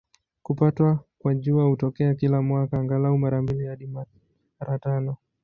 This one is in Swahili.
Kupatwa kwa Jua hutokea kila mwaka, angalau mara mbili hadi mara tano.